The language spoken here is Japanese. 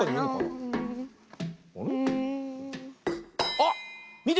あっ！